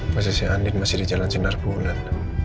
masih si andin masih di jalan sinar bulan